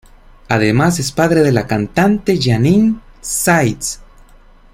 Además es padre de la cantante Jeannie Hsieh.